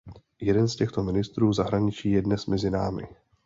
Jeden z těchto ministrů zahraničí je dnes mezi námi.